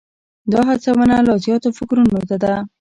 دا هڅونه لا زیاتو فکرونو ته ده.